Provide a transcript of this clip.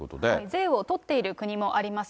税を取っている国もあります。